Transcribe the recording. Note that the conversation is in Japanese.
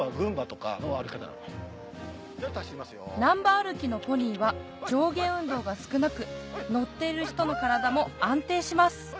歩きのポニーは上下運動が少なく乗っている人の体も安定します